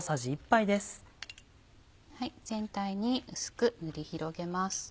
全体に薄く塗り広げます。